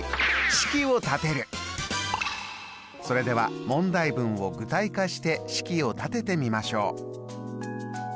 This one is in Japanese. それでは問題文を具体化して式を立ててみましょう。